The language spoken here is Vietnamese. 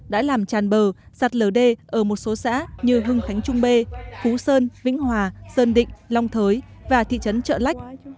đã làm tràn bờ sạt lở đê ở một số xã như hưng khánh trung bê phú sơn vĩnh hòa sơn định long thới và thị trấn trợ lách